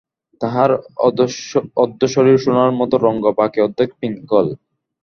তাহার অর্ধশরীর সোনার মত রঙ, বাকী অর্ধেক পিঙ্গল।